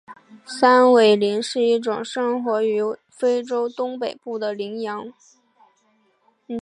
山苇羚是一种生活于非洲东北部的羚羊。